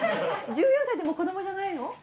１４歳でも子どもじゃないの？